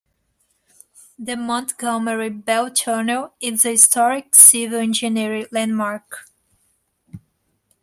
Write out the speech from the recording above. The Montgomery Bell Tunnel is a Historic Civil Engineering Landmark.